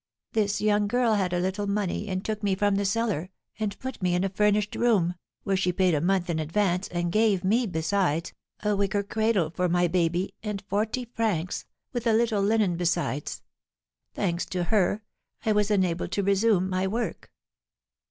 This young girl had a little money, and took me from the cellar, and put me in a furnished room, where she paid a month in advance, and gave me, besides, a wicker cradle for my baby, and forty francs, with a little linen besides. Thanks to her, I was enabled to resume my work."